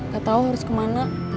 gak tau harus kemana